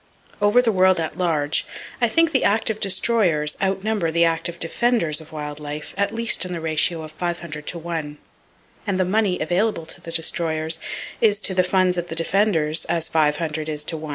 Over the world at large, I think the active Destroyers outnumber the active Defenders of wild life at least in the ratio of 500 to 1; and the money available to the Destroyers is to the funds of the Defenders as 500 is to 1.